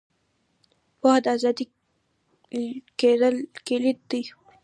• پوهه، د ازادۍ کلید دی.